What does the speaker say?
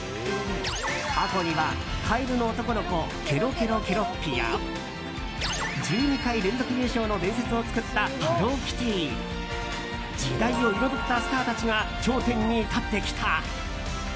過去にはカエルの男の子けろけろけろっぴや１２回連続優勝の伝説を作ったハローキティ。時代を彩ったスターたちが頂点に立ってきた。